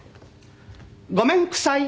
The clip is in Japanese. ごめんくさい。